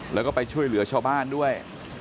แล้วก็ไปช่วยเหลือชาวบ้านด้วย